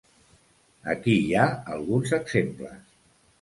Aquí hi ha alguns exemples.